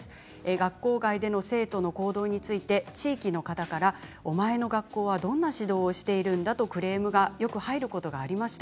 学校外での生徒の行動について地域の方からお前の学校はどんな指導をしているんだとクレームがよく入ることがありました。